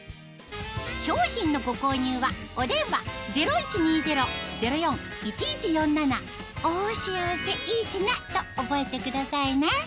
商品のご購入はお電話０１２０−０４−１１４７と覚えてくださいね